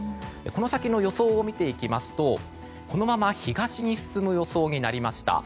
この先の予想を見ていきますとこのまま東に進む予想になりました。